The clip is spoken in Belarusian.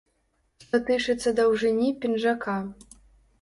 Што тычыцца даўжыні пінжака.